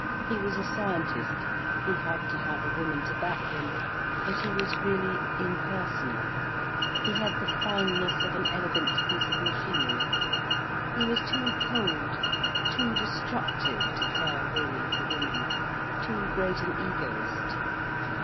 He was a scientist, he had to have a woman to back him. But he was really impersonal, he had the fineness of an elegant piece of machinery. He was too cold, too destructive to care really for women, too great an egoist.